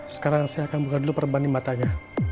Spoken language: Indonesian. sekarang saya akan buka dulu perbanding matanya